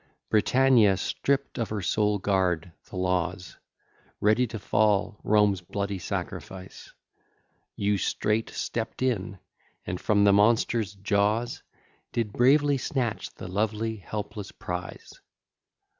Britannia stripp'd of her sole guard, the laws, Ready to fall Rome's bloody sacrifice; You straight stepp'd in, and from the monster's jaws Did bravely snatch the lovely, helpless prize.